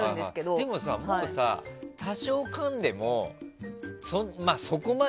でもさ、多少かんでもそこまで。